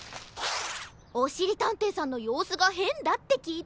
おしりたんていさんのようすがへんだってきいてよ。